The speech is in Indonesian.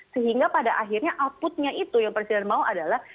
sehingga pada akhirnya outputnya itu yang presiden mau adalah